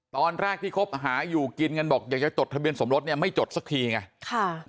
ตอนแรกที่คบหาอยู่กินกันบอกอยากจะจดทะเบียนสมรสเนี่ยไม่จดสักทีไงค่ะ